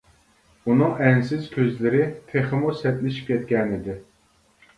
ئۇنىڭ ئەنسىز كۆزلىرى تېخىمۇ سەتلىشىپ كەتكەنىدى.